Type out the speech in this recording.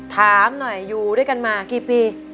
ถามหน่อยอยู่ด้วยกันมากี่ปี